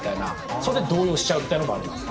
それで動揺しちゃうみたいなのもあります。